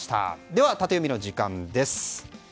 では、タテヨミの時間です。